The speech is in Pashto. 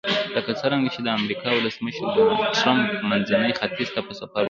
لکه څرنګه چې د امریکا ولسمشر ډونلډ ټرمپ منځني ختیځ ته په سفر وتلی.